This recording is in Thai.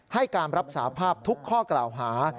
ให้การรับสาภาพทุกข้อกล่าวหา